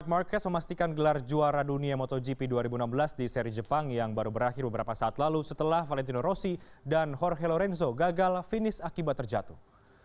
marquez memastikan gelar juara dunia motogp dua ribu enam belas di seri jepang yang baru berakhir beberapa saat lalu setelah valentino rossi dan jorcelorenzo gagal finish akibat terjatuh